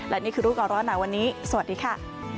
และนี่คือรูปก่อนร้อนหนาวันนี้สวัสดีค่ะ